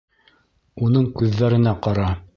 Уның күҙҙәренә ҡара...